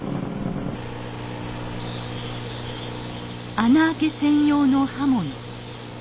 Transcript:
穴開け専用の刃物。